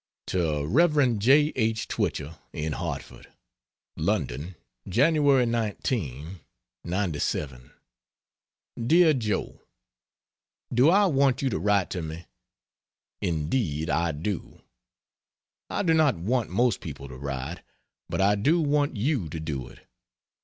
To Rev. J. H. Twichell, in Hartford: LONDON, Jan. 19, '97. DEAR JOE, Do I want you to write to me? Indeed I do. I do not want most people to write, but I do want you to do it.